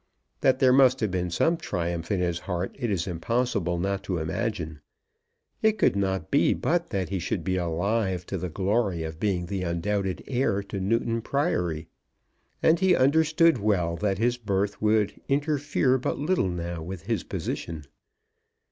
That there must have been some triumph in his heart it is impossible not to imagine. It could not be but that he should be alive to the glory of being the undoubted heir to Newton Priory. And he understood well that his birth would interfere but little now with his position.